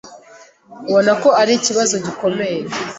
ubona ko ari ikibazo gikomeye